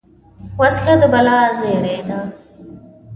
وسله د بلا زېری ده